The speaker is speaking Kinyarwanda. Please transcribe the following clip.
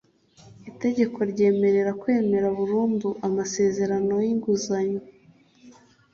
itegeko ryemerera kwemeza burundu amasezerano y’inguzanyo